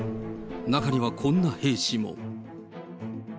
中にはこんな兵士も。